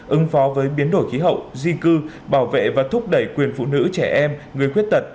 ứng phó với biến đổi khí hậu di cư bảo vệ và thúc đẩy quyền phụ nữ trẻ em người khuyết tật